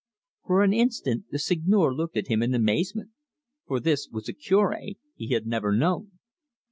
For an instant the Seigneur looked at him in amazement, for this was a Cure he had never known.